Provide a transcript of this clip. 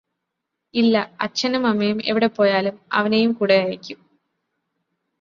ഇല്ല അച്ഛനും അമ്മയും എവിടെ പോയാലും അവനെയും കൂടെ അയക്കും